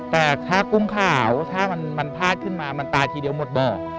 แต่ถ้ากุ้งขาวถ้ามันพลาดขึ้นมามันตายทีเดียวหมดบ่อ